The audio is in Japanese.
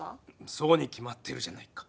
そうにきまってるじゃないか。